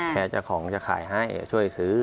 เจ้าของจะขายให้ช่วยซื้อ